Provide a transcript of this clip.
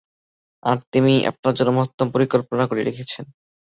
আর তিমি আপনার জন্য মহত্তম পরিকল্পনা করে রেখেছেন।